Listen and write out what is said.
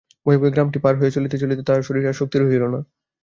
ভয়ে ভয়ে গ্রামটি পার হইয়া চলিতে চলিতে তাহার শরীরে আর শক্তি রহিল না।